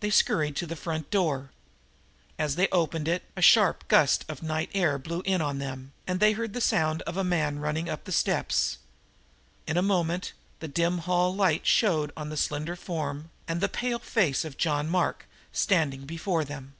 They scurried to the front door. As they opened it the sharp gust of night air blew in on them, and they heard the sound of a man running up the steps. In a moment the dim hall light showed on the slender form and the pale face of John Mark standing before them.